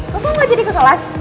kau mau ga jadi ke kelas